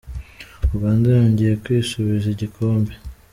Uganda yongeye kwisubiza igikombe